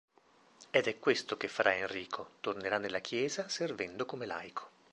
Ed è questo che farà Enrico: tornerà nella Chiesa servendo come laico.